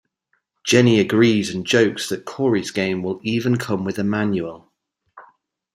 Jenny agrees and jokes that Corey's game will even come with a manual.